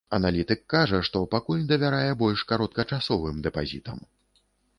Аналітык кажа, што пакуль давярае больш кароткачасовым дэпазітам.